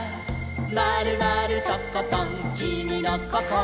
「まるまるとことんきみのこころは」